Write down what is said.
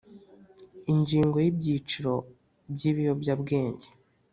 Ingingo ya Ibyiciro by ibiyobyabwenge